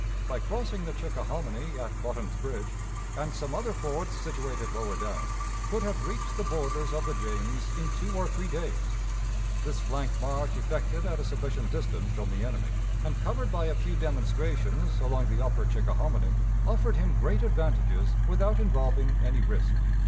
By crossing the Chickahominy at Bottom's Bridge, and some other fords situated lower down, ... could have reached the borders of the James in two or three days. ... This flank march effected at a sufficient distance from the enemy, and covered by a few demonstrations along the upper Chickahominy, offered him great advantages without involving any risk.